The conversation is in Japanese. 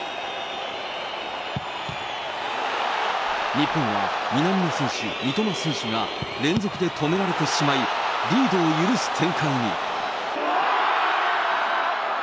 日本は南野選手、三笘選手が連続で止められてしまい、リードを許す展開に。